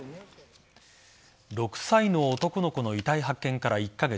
６歳の男の子の遺体発見から１カ月。